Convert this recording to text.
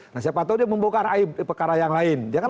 nah siapa tau dia membuka aib di pekara yang lain